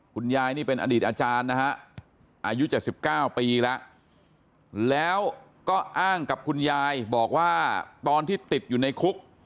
คุณยายนี่เป็นอดีตอาจารย์นะฮะอายุ๗๙ปีแล้วแล้วก็อ้างกับคุณยายบอกว่าตอนที่ติดอยู่ในคุก